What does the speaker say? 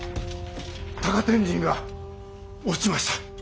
高天神が落ちました。